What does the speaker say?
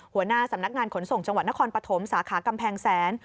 หัวหน้าสำนักงานขนส่งจังหวัดนครปฐมสาขากำแพงแสน